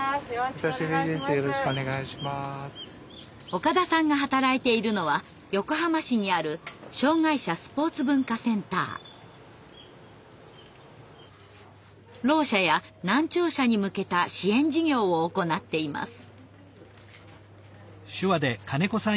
岡田さんが働いているのは横浜市にあるろう者や難聴者に向けた支援事業を行っています。